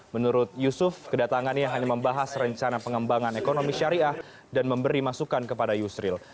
menurut yusuf kedatangannya hanya membahas rencana pengembangan ekonomi syariah dan memberi masukan kepada yusril